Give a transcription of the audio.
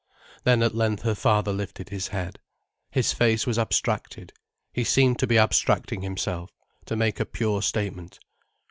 Then at length her father lifted his head. His face was abstracted, he seemed to be abstracting himself, to make a pure statement.